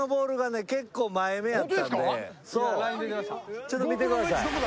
ちょっと見てください。